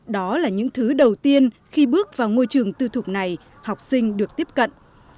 đó là những thứ đầu tiên khi bước vào ngôi trường tư thục này học sinh được tiếp cận